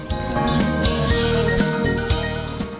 jangan lupa like share dan subscribe ya